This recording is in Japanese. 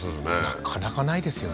なかなかないですよね